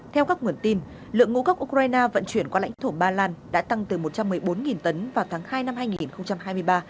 theo các nguồn tin lượng ngũ cốc ukraine vận chuyển qua lãnh thổ ba lan đã tăng từ một trăm một mươi bốn tấn vào tháng hai năm hai nghìn hai mươi ba